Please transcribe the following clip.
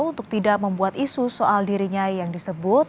untuk tidak membuat isu soal dirinya yang disebut